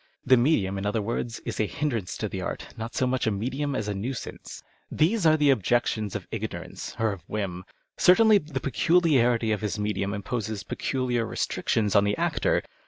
The medium, in other words, is a hindrance to the art, not so much a medium as a nuisance. These are the objections of ignorance or of whim. Certainly the peculiarity of his medium imposes peculiar restrictions on the actor.